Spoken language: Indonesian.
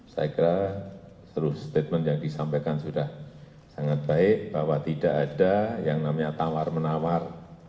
saya kira seluruh statement yang disampaikan sudah sangat baik bahwa tidak ada yang namanya tawar menawar